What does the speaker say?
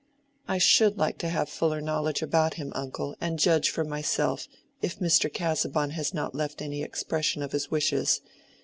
"I should like to have fuller knowledge about him, uncle, and judge for myself, if Mr. Casaubon has not left any expression of his wishes.